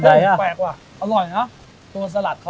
คุณผู้ชมครับมันมีความอร่อยของตัวสลัดนะฮะ